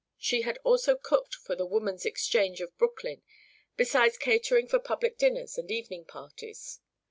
She also had cooked for the Woman's Exchange of Brooklyn, besides catering for public dinners and evening parties.